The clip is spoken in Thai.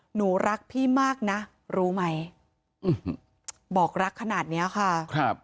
หนูรักพี่มากนะรู้ไหมบอกรักขนาดเนี้ยค่ะครับ